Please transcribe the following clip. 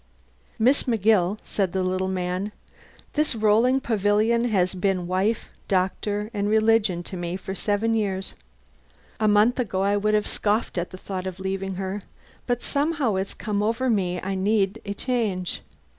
"Miss McGill," said the little man, "this rolling pavilion has been wife, doctor, and religion to me for seven years. A month ago I would have scoffed at the thought of leaving her; but somehow it's come over me I need a change.